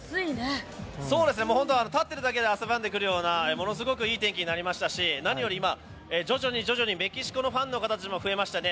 立ってるだけで汗ばんでくるような、ものすごくいい天気になりましたし何より徐々にメキシコのファンの方たちも増えましたね。